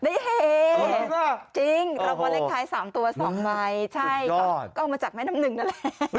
ได้เฮบจริงรับวันเล็กท้าย๓ตัว๒ไมค์ใช่ก็ออกมาจากแม่น้ำหนึ่งนั่นแหละ